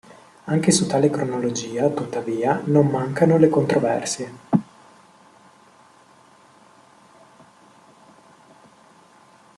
Anche su tale cronologia, tuttavia, non mancano le controversie.